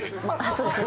そうですね。